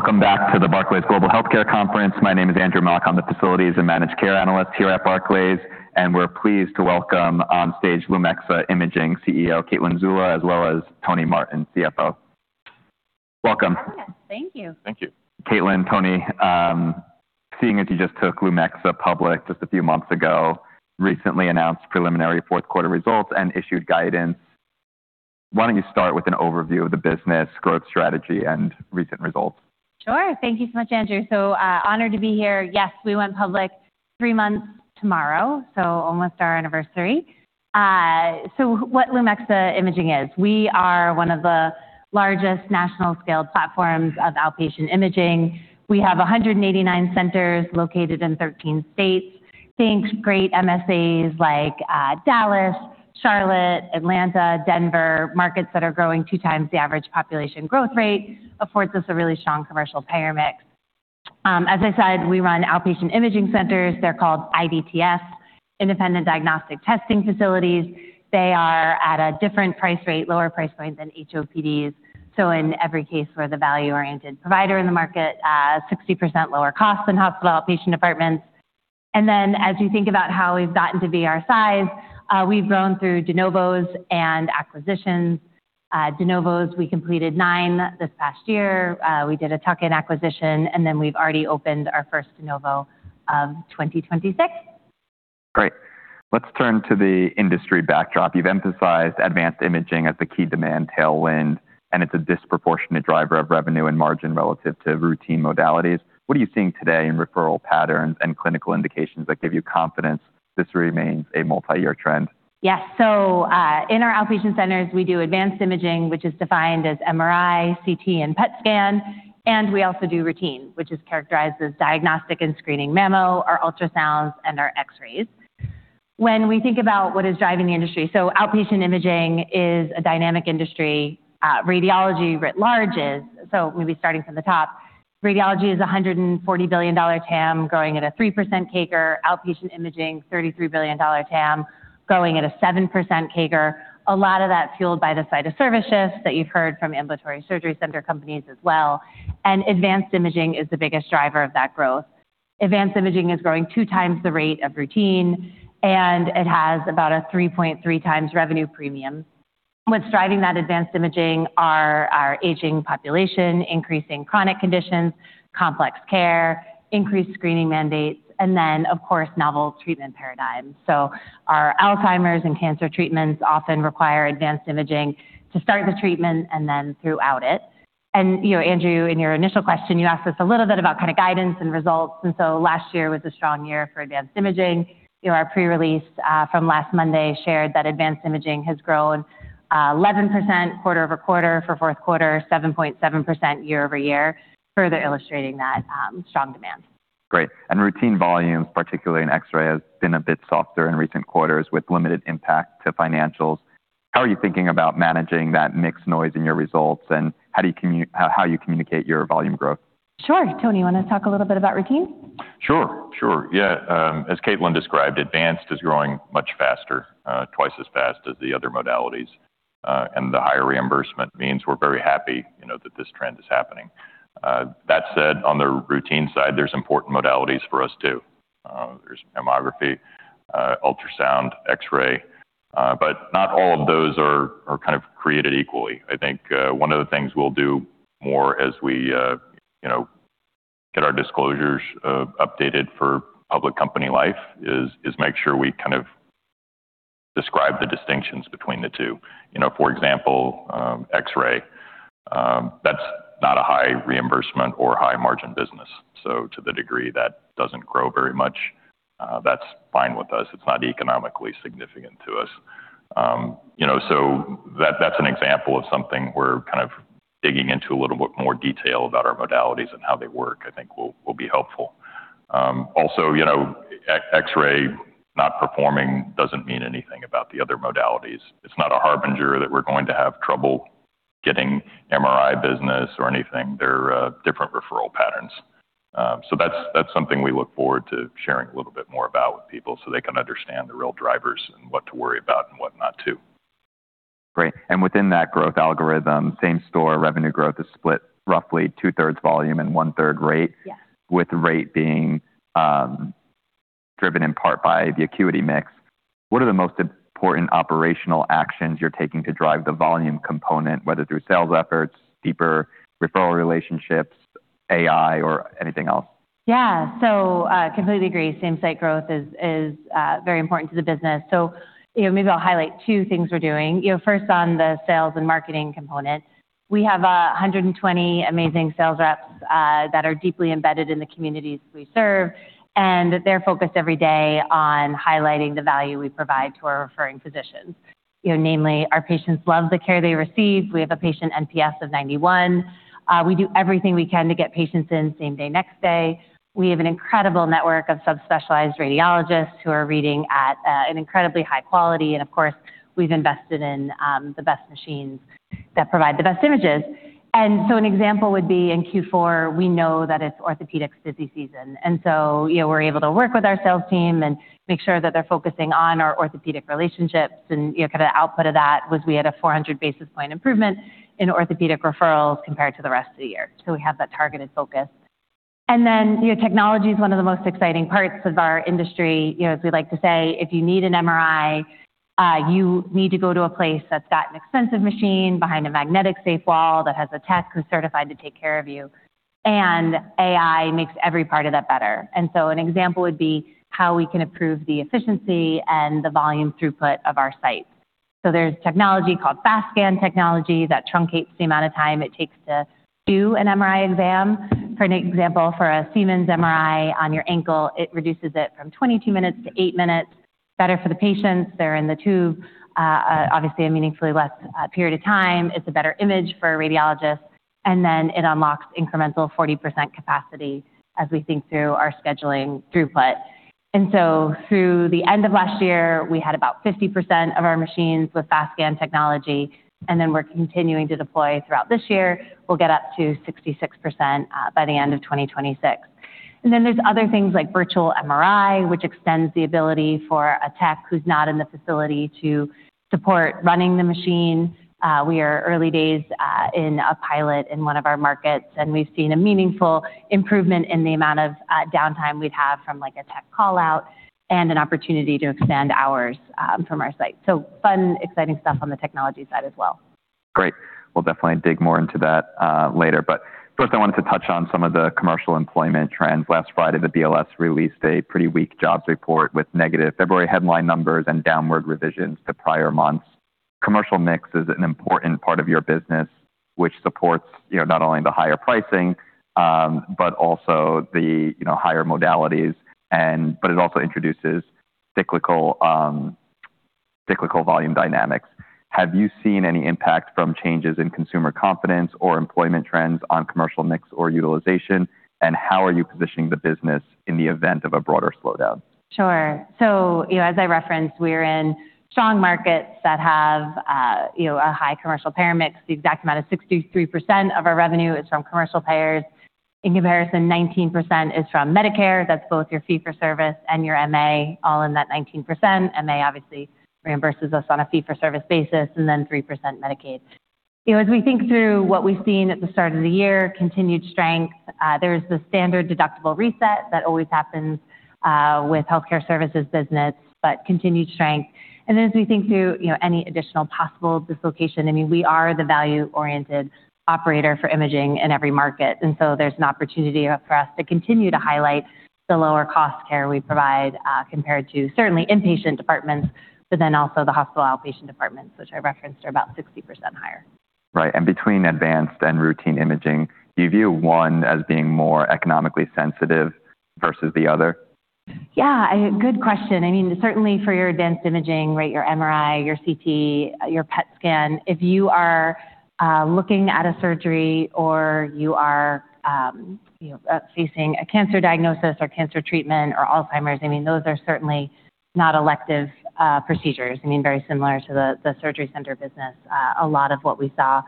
Welcome back to the Barclays Global Healthcare Conference. My name is Andrew Milch. I'm the Facilities and Managed Care Analyst here at Barclays, and we're pleased to welcome on stage Lumexa Imaging CEO, Caitlin Zulla, as well as Tony Martin, CFO. Welcome. Thank you. Thank you. Caitlin, Tony, seeing that you just took Lumexa public just a few months ago, recently announced preliminary fourth quarter results and issued guidance, why don't you start with an overview of the business, growth strategy, and recent results? Sure. Thank you so much, Andrew. Honored to be here. Yes, we went public three months tomorrow, so almost our anniversary. What Lumexa Imaging is, we are one of the largest national-scale platforms of outpatient imaging. We have 189 centers located in 13 states, in great MSAs like Dallas, Charlotte, Atlanta, Denver, markets that are growing 2x the average population growth rate affords us a really strong commercial payer mix. As I said, we run outpatient imaging centers. They're called IDTFs, Independent Diagnostic Testing Facilities. They are at a different price rate, lower price point than HOPDs, so in every case, we're the value-oriented provider in the market at 60% lower cost than hospital outpatient departments. As you think about how we've gotten to be our size, we've grown through de novos and acquisitions. De novos, we completed nine this past year. We did a tuck-in acquisition, and then we've already opened our first de novo of 2026. Great. Let's turn to the industry backdrop. You've emphasized advanced imaging as the key demand tailwind, and it's a disproportionate driver of revenue and margin relative to routine modalities. What are you seeing today in referral patterns and clinical indications that give you confidence this remains a multi-year trend? Yeah. In our outpatient centers, we do advanced imaging, which is defined as MRI, CT, and PET scan, and we also do routine, which is characterized as diagnostic and screening mammo, our ultrasounds, and our X-rays. When we think about what is driving the industry, so outpatient imaging is a dynamic industry. Radiology writ large is maybe starting from the top, radiology is a $140 billion TAM growing at a 3% CAGR, outpatient imaging, $33 billion TAM growing at a 7% CAGR. A lot of that's fueled by the site of service shifts that you've heard from ambulatory surgery center companies as well. Advanced imaging is the biggest driver of that growth. Advanced imaging is growing 2x the rate of routine, and it has about a 3.3x revenue premium. What's driving that advanced imaging are our aging population, increasing chronic conditions, complex care, increased screening mandates, and then, of course, novel treatment paradigms. Our Alzheimer's and cancer treatments often require advanced imaging to start the treatment and then throughout it. You know, Andrew, in your initial question, you asked us a little bit about kind of guidance and results, and so last year was a strong year for advanced imaging. You know, our pre-release from last Monday shared that advanced imaging has grown 11% quarter-over-quarter for fourth quarter, 7.7% year-over-year, further illustrating that strong demand. Great. Routine volumes, particularly in X-ray, has been a bit softer in recent quarters with limited impact to financials. How are you thinking about managing that mixed noise in your results, and how do you communicate your volume growth? Sure. Tony, you wanna talk a little bit about routine? Sure. Yeah, as Caitlin described, advanced is growing much faster, twice as fast as the other modalities, and the higher reimbursement means we're very happy, you know, that this trend is happening. That said, on the routine side, there's important modalities for us too. There's mammography, ultrasound, X-ray, but not all of those are kind of created equally. I think, one of the things we'll do more as we, you know, get our disclosures updated for public company life is make sure we kind of describe the distinctions between the two. You know, for example, X-ray, that's not a high reimbursement or high margin business. So to the degree that doesn't grow very much, that's fine with us. It's not economically significant to us. You know, that's an example of something we're kind of digging into a little bit more detail about our modalities and how they work. I think will be helpful. Also, you know, X-ray not performing doesn't mean anything about the other modalities. It's not a harbinger that we're going to have trouble getting MRI business or anything. They're different referral patterns. That's something we look forward to sharing a little bit more about with people so they can understand the real drivers and what to worry about and what not to. Great. Within that growth algorithm, same-store revenue growth is split roughly two-thirds volume and one-third rate. Yes. With rate being, driven in part by the acuity mix. What are the most important operational actions you're taking to drive the volume component, whether through sales efforts, deeper referral relationships, AI, or anything else? Yeah. Completely agree. Same-site growth is very important to the business. You know, maybe I'll highlight two things we're doing. You know, first on the sales and marketing component. We have 120 amazing sales reps that are deeply embedded in the communities we serve, and they're focused every day on highlighting the value we provide to our referring physicians. You know, namely, our patients love the care they receive. We have a patient NPS of 91. We do everything we can to get patients in same day, next day. We have an incredible network of sub-specialized radiologists who are reading at an incredibly high quality. Of course, we've invested in the best machines that provide the best images. An example would be in Q4, we know that it's orthopedics' busy season. You know, we're able to work with our sales team and make sure that they're focusing on our orthopedic relationships and, you know, kinda the output of that was we had a 400 basis point improvement in orthopedic referrals compared to the rest of the year. We have that targeted focus. Then, you know, technology is one of the most exciting parts of our industry. You know, as we like to say, if you need an MRI, you need to go to a place that's got an expensive machine behind a magnetic safe wall that has a tech who's certified to take care of you. AI makes every part of that better. An example would be how we can improve the efficiency and the volume throughput of our sites. There's technology called FastScan technology that truncates the amount of time it takes to do an MRI exam. For an example, for a Siemens MRI on your ankle, it reduces it from 22 minutes to 8 minutes. Better for the patients. They're in the tube, obviously a meaningfully less period of time. It's a better image for a radiologist, and then it unlocks incremental 40% capacity as we think through our scheduling throughput. Through the end of last year, we had about 50% of our machines with FastScan technology, and then we're continuing to deploy throughout this year. We'll get up to 66%, by the end of 2026. There's other things like Virtual MRI, which extends the ability for a tech who's not in the facility to support running the machine. We are early days in a pilot in one of our markets, and we've seen a meaningful improvement in the amount of downtime we'd have from, like, a tech call-out and an opportunity to extend hours from our site. Fun, exciting stuff on the technology side as well. Great. We'll definitely dig more into that later. First, I wanted to touch on some of the commercial employment trends. Last Friday, the BLS released a pretty weak jobs report with negative February headline numbers and downward revisions to prior months. Commercial mix is an important part of your business, which supports, you know, not only the higher pricing, but also the, you know, higher modalities and, but it also introduces cyclical volume dynamics. Have you seen any impact from changes in consumer confidence or employment trends on commercial mix or utilization? How are you positioning the business in the event of a broader slowdown? Sure. You know, as I referenced, we're in strong markets that have, you know, a high commercial payer mix. The exact amount is 63% of our revenue is from commercial payers. In comparison, 19% is from Medicare. That's both your fee for service and your MA, all in that 19%. MA obviously reimburses us on a fee for service basis and then 3% Medicaid. You know, as we think through what we've seen at the start of the year, continued strength. There's the standard deductible reset that always happens with healthcare services business, but continued strength. As we think through, you know, any additional possible dislocation, I mean, we are the value-oriented operator for imaging in every market. There's an opportunity for us to continue to highlight the lower cost care we provide, compared to certainly inpatient departments, but then also the hospital outpatient departments, which I referenced, are about 60% higher. Right. Between advanced and routine imaging, do you view one as being more economically sensitive versus the other? Yeah. Good question. I mean, certainly for your advanced imaging, right? Your MRI, your CT, your PET scan. If you are looking at a surgery or you are, you know, facing a cancer diagnosis or cancer treatment or Alzheimer's, I mean, those are certainly not elective procedures. I mean, very similar to the surgery center business. A lot of what we saw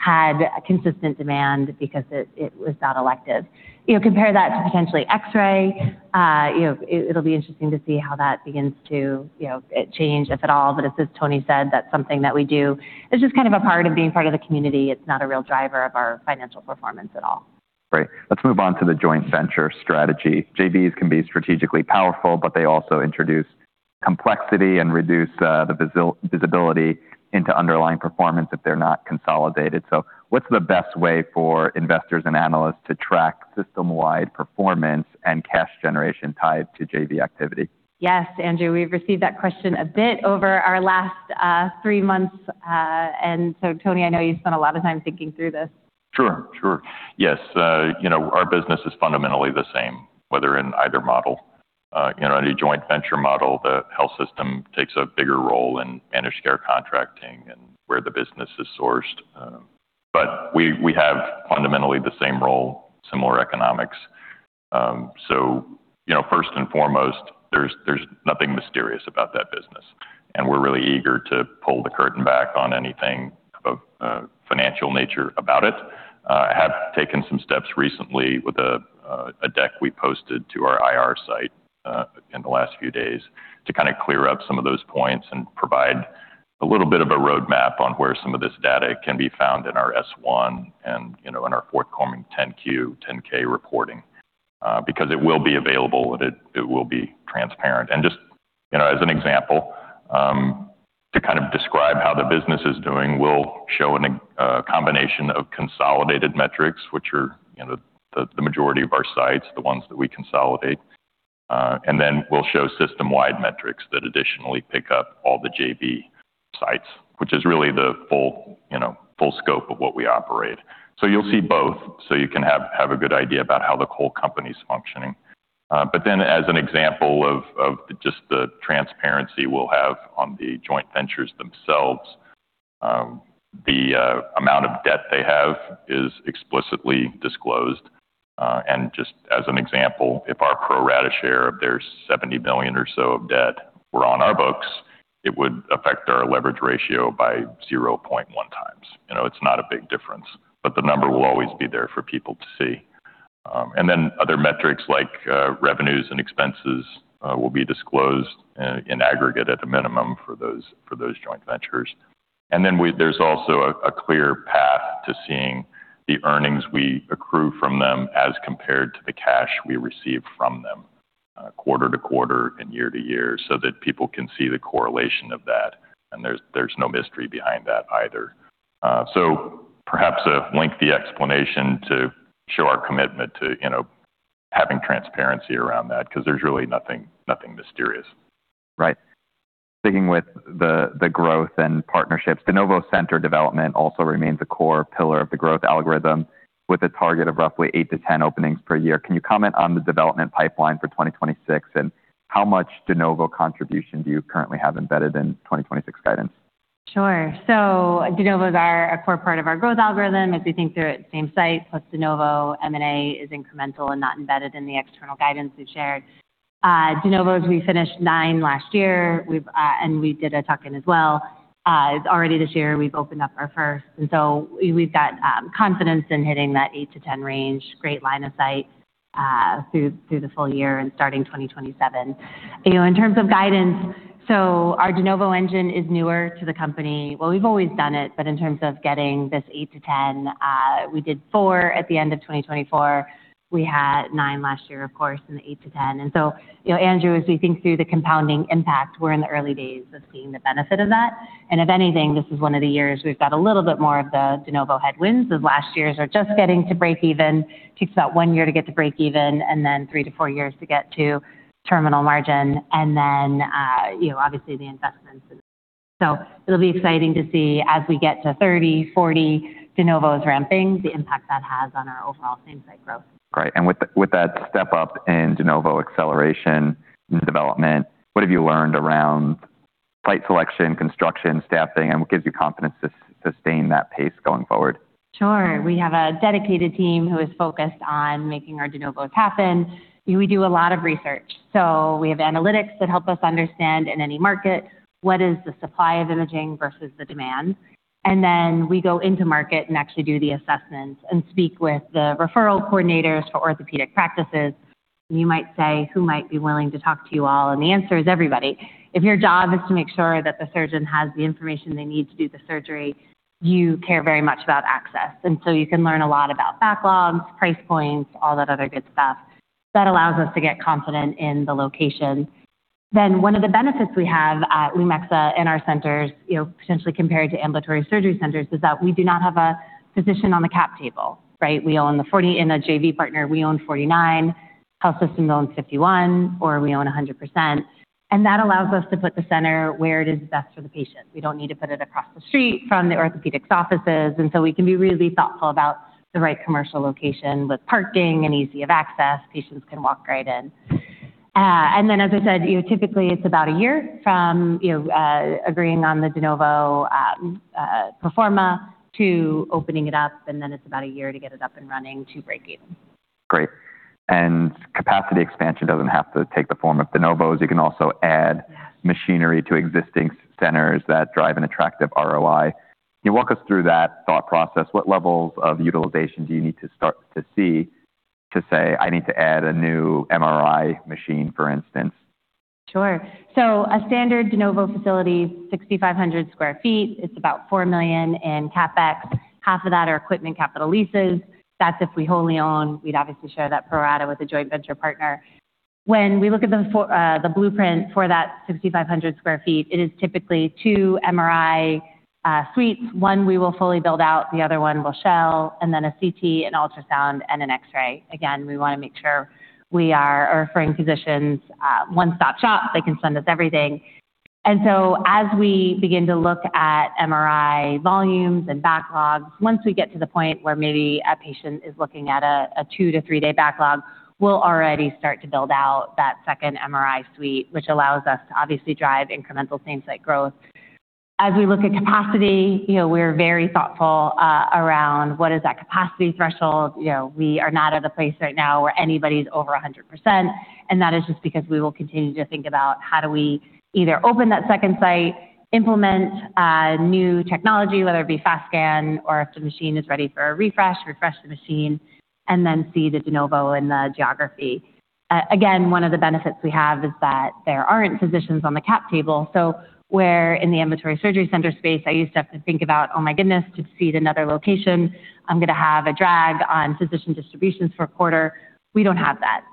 had consistent demand because it was not elective. You know, compare that to potentially X-ray, you know, it'll be interesting to see how that begins to, you know, change, if at all. As Tony said, that's something that we do. It's just kind of a part of being part of the community. It's not a real driver of our financial performance at all. Great. Let's move on to the joint venture strategy. JVs can be strategically powerful, but they also introduce complexity and reduce the visibility into underlying performance if they're not consolidated. What's the best way for investors and analysts to track system-wide performance and cash generation tied to JV activity? Yes, Andrew. We've received that question a bit over our last three months. Tony, I know you've spent a lot of time thinking through this. Sure. Yes, you know, our business is fundamentally the same, whether in either model. You know, in a joint venture model, the health system takes a bigger role in managed care contracting and where the business is sourced. We have fundamentally the same role, similar economics. You know, first and foremost, there's nothing mysterious about that business, and we're really eager to pull the curtain back on anything of a financial nature about it. Have taken some steps recently with a deck we posted to our IR site in the last few days to kind of clear up some of those points and provide a little bit of a roadmap on where some of this data can be found in our S-1 and, you know, in our forthcoming 10-Q, 10-K reporting because it will be available and it will be transparent. Just, you know, as an example, to kind of describe how the business is doing, we'll show a combination of consolidated metrics, which are, you know, the majority of our sites, the ones that we consolidate, and then we'll show system-wide metrics that additionally pick up all the JV sites, which is really the full, you know, full scope of what we operate. You'll see both, so you can have a good idea about how the whole company's functioning. As an example of just the transparency we'll have on the joint ventures themselves, the amount of debt they have is explicitly disclosed. Just as an example, if our pro rata share of their $70 million or so of debt were on our books, it would affect our leverage ratio by 0.1x. You know, it's not a big difference, but the number will always be there for people to see. Other metrics like revenues and expenses will be disclosed in aggregate at a minimum for those joint ventures. There's also a clear path to seeing the earnings we accrue from them as compared to the cash we receive from them quarter to quarter and year-to-year so that people can see the correlation of that. There's no mystery behind that either. Perhaps a lengthy explanation to show our commitment to you know having transparency around that because there's really nothing mysterious. Right. Sticking with the growth and partnerships, de novo center development also remains a core pillar of the growth algorithm with a target of roughly 8-10 openings per year. Can you comment on the development pipeline for 2026, and how much de novo contribution do you currently have embedded in 2026 guidance? Sure. De novos are a core part of our growth algorithm. As we think through it, same site plus de novo M&A is incremental and not embedded in the external guidance we've shared. De novos, we finished nine last year. We've and we did a tuck-in as well. Already this year we've opened up our first. We've got confidence in hitting that 8-10 range. Great line of sight through the full year and starting 2027. You know, in terms of guidance, our de novo engine is newer to the company. Well, we've always done it, but in terms of getting this 8-10, we did 4 at the end of 2024. We had nine last year, of course, in the 8-10. You know, Andrew, as we think through the compounding impact, we're in the early days of seeing the benefit of that. If anything, this is one of the years we've got a little bit more of the de novo headwinds, as last year's are just getting to breakeven. Takes about one year to get to breakeven and then 3-4 years to get to terminal margin. You know, obviously the investments. It'll be exciting to see as we get to 30, 40 de novos ramping, the impact that has on our overall same-site growth. Great. With that step up in de novo acceleration and development, what have you learned around site selection, construction, staffing, and what gives you confidence to sustain that pace going forward? Sure. We have a dedicated team who is focused on making our de novos happen. We do a lot of research. We have analytics that help us understand in any market what is the supply of imaging versus the demand. Then we go into market and actually do the assessments and speak with the referral coordinators for orthopedic practices. You might say, who might be willing to talk to you all? The answer is everybody. If your job is to make sure that the surgeon has the information they need to do the surgery, you care very much about access. You can learn a lot about backlogs, price points, all that other good stuff. That allows us to get confident in the location. One of the benefits we have at Lumexa in our centers, you know, potentially compared to ambulatory surgery centers, is that we do not have a physician on the cap table, right? We own 49% in a JV partner, health system owns 51%, or we own 100%. That allows us to put the center where it is best for the patient. We don't need to put it across the street from the orthopedics offices. We can be really thoughtful about the right commercial location with parking and ease of access. Patients can walk right in. As I said, you know, typically it's about a year from agreeing on the de novo pro forma to opening it up, and then it's about a year to get it up and running to breakeven. Great. Capacity expansion doesn't have to take the form of de novos. It can also add- Yes. -machinery to existing centers that drive an attractive ROI. Can you walk us through that thought process? What levels of utilization do you need to start to see to say, "I need to add a new MRI machine," for instance? Sure. A standard de novo facility, 6,500 sq ft. It's about $4 million in CapEx. Half of that are equipment capital leases. That's if we wholly own. We'd obviously share that pro rata with a joint venture partner. When we look at the blueprint for that 6,500 sq ft, it is typically two MRI suites. One we will fully build out, the other one we'll shell, and then a CT, an ultrasound, and an X-ray. Again, we wanna make sure we are our referring physicians' one-stop shop. They can send us everything. As we begin to look at MRI volumes and backlogs, once we get to the point where maybe a patient is looking at a two to three-day backlog, we'll already start to build out that second MRI suite, which allows us to obviously drive incremental same-site growth. As we look at capacity, you know, we're very thoughtful around what is that capacity threshold. You know, we are not at a place right now where anybody's over 100%, and that is just because we will continue to think about how do we either open that second site, implement new technology, whether it be FastScan or if the machine is ready for a refresh the machine, and then see the de novo in the geography. Again, one of the benefits we have is that there aren't physicians on the cap table. So where in the ambulatory surgery center space, I used to have to think about, "Oh my goodness, to seed another location, I'm gonna have a drag on physician distributions for a quarter." We don't have that.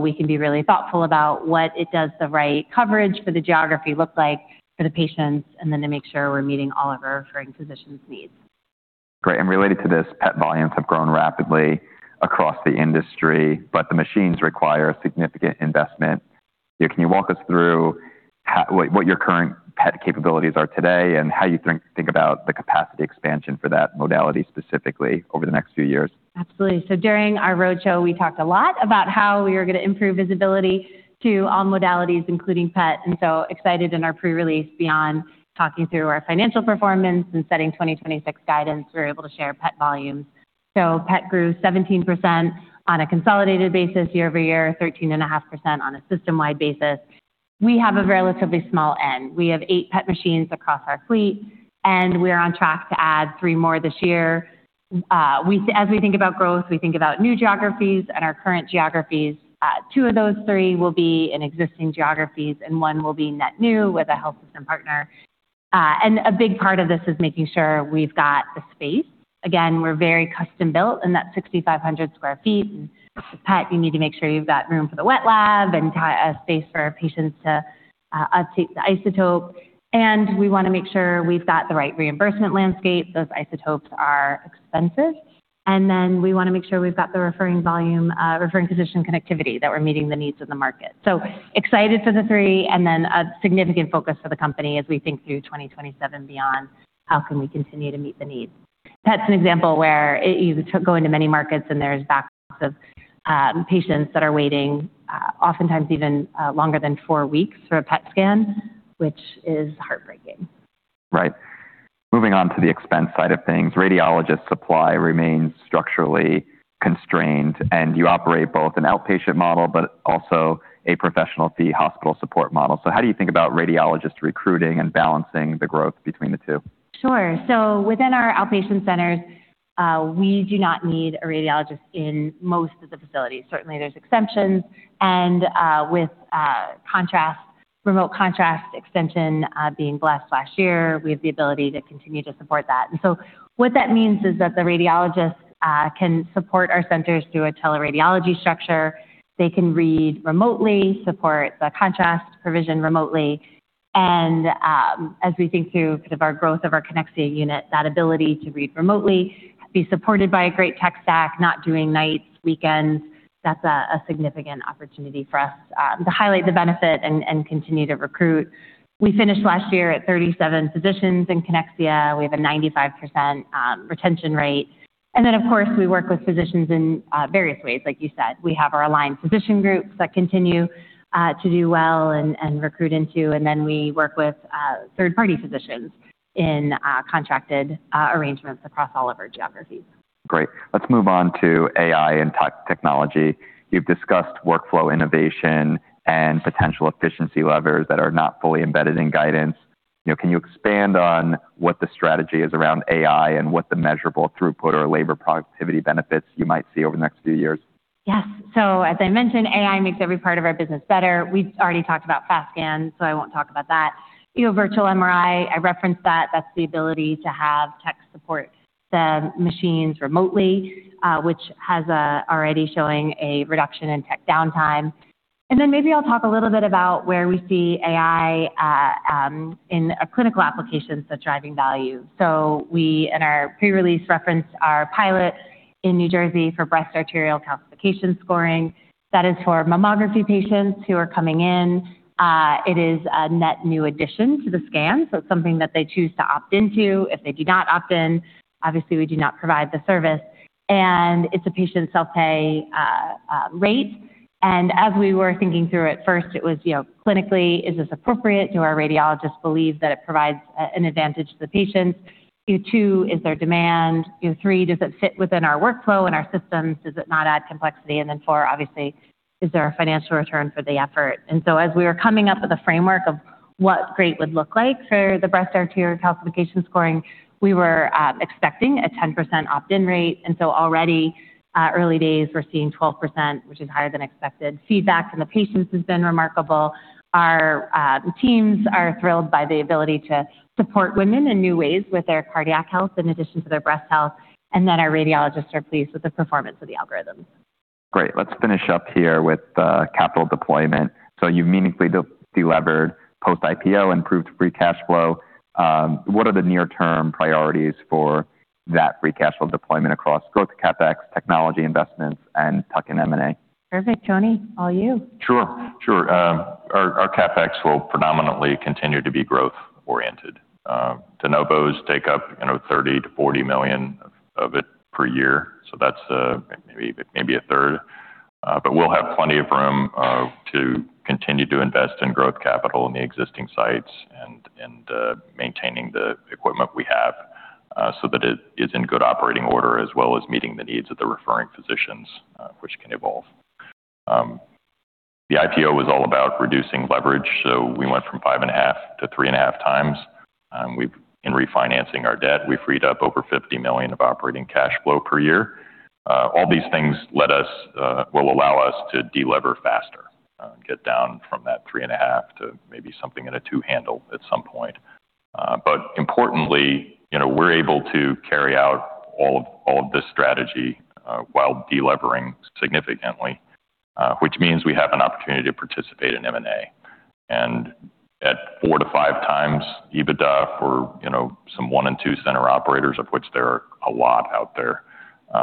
We can be really thoughtful about what the right coverage for the geography looks like for the patients, and then to make sure we're meeting all of our referring physicians' needs. Great. Related to this, PET volumes have grown rapidly across the industry, but the machines require significant investment. Can you walk us through what your current PET capabilities are today and how you think about the capacity expansion for that modality specifically over the next few years? Absolutely. During our roadshow, we talked a lot about how we are gonna improve visibility to all modalities, including PET, and so excited in our pre-release beyond talking through our financial performance and setting 2026 guidance, we were able to share PET volumes. PET grew 17% on a consolidated basis year-over-year, 13.5% on a system-wide basis. We have a relatively small end. We have eight PET machines across our fleet, and we're on track to add three more this year. As we think about growth, we think about new geographies and our current geographies. Two of those three will be in existing geographies, and one will be net new with a health system partner. A big part of this is making sure we've got the space. Again, we're very custom-built in that 6,500 sq ft. PET, you need to make sure you've got room for the wet lab and got a space for our patients to uptake the isotope. We want to make sure we've got the right reimbursement landscape. Those isotopes are expensive. We want to make sure we've got the referring volume, referring physician connectivity, that we're meeting the needs of the market. Excited for the three, and then a significant focus for the company as we think through 2027 beyond how can we continue to meet the needs. PET's an example where you go into many markets, and there's backlogs of patients that are waiting, oftentimes even longer than four weeks for a PET scan, which is heartbreaking. Right. Moving on to the expense side of things. Radiologist supply remains structurally constrained, and you operate both an outpatient model but also a professional fee hospital support model. How do you think about radiologist recruiting and balancing the growth between the two? Sure. Within our outpatient centers, we do not need a radiologist in most of the facilities. Certainly, there's exceptions, and with remote contrast supervision being blessed last year, we have the ability to continue to support that. What that means is that the radiologists can support our centers through a teleradiology structure. They can read remotely, support the contrast provision remotely. As we think through sort of our growth of our Connexia unit, that ability to read remotely, be supported by a great tech stack, not doing nights, weekends, that's a significant opportunity for us to highlight the benefit and continue to recruit. We finished last year at 37 physicians in Connexia. We have a 95% retention rate. Of course, we work with physicians in various ways, like you said. We have our aligned physician groups that continue to do well and recruit into, and then we work with third-party physicians in contracted arrangements across all of our geographies. Great. Let's move on to AI and technology. You've discussed workflow innovation and potential efficiency levers that are not fully embedded in guidance. You know, can you expand on what the strategy is around AI and what the measurable throughput or labor productivity benefits you might see over the next few years? Yes. As I mentioned, AI makes every part of our business better. We've already talked about FastScan, so I won't talk about that. You know, Virtual MRI, I referenced that. That's the ability to have tech support the machines remotely, which has already showing a reduction in tech downtime. Maybe I'll talk a little bit about where we see AI in a clinical applications that's driving value. We, in our pre-release, referenced our pilot in New Jersey for breast arterial calcification scoring. That is for mammography patients who are coming in. It is a net new addition to the scan, so it's something that they choose to opt into. If they do not opt in, obviously, we do not provide the service. It's a patient self-pay rate. As we were thinking through it, first it was, you know, clinically, is this appropriate? Do our radiologists believe that it provides an advantage to the patients? Two, is there demand? You know, three, does it fit within our workflow and our systems? Does it not add complexity? Then four, obviously, is there a financial return for the effort? As we were coming up with a framework of what great would look like for the breast arterial calcification scoring, we were expecting a 10% opt-in rate. Already, early days, we're seeing 12%, which is higher than expected. Feedback from the patients has been remarkable. Our teams are thrilled by the ability to support women in new ways with their cardiac health in addition to their breast health. Then our radiologists are pleased with the performance of the algorithm. Great. Let's finish up here with capital deployment. You meaningfully delevered post-IPO, improved free cash flow. What are the near-term priorities for that free cash flow deployment across growth CapEx, technology investments, and tuck-in M&A? Perfect. Tony, all you. Sure. Our CapEx will predominantly continue to be growth-oriented. De novos take up, you know, $30 million-$40 million of it per year, that's maybe a third. We'll have plenty of room to continue to invest in growth capital in the existing sites and maintaining the equipment we have, so that it is in good operating order as well as meeting the needs of the referring physicians, which can evolve. The IPO was all about reducing leverage. We went from 5.5x-3.5x. In refinancing our debt, we've freed up over $50 million of operating cash flow per year. All these things will allow us to delever faster, get down from that 3.5x to maybe something in a 2x handle at some point. Importantly, you know, we're able to carry out all of this strategy while delevering significantly, which means we have an opportunity to participate in M&A. At 4x-5x EBITDA for, you know, some one- and two-center operators, of which there are a lot out there,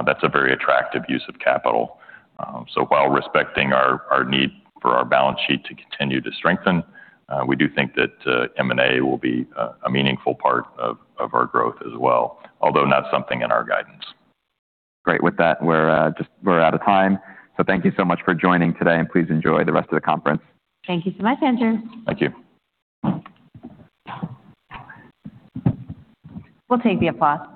that's a very attractive use of capital. While respecting our need for our balance sheet to continue to strengthen, we do think that M&A will be a meaningful part of our growth as well, although not something in our guidance. Great. With that, we're out of time. Thank you so much for joining today, and please enjoy the rest of the conference. Thank you so much, Andrew. Thank you. We'll take the applause.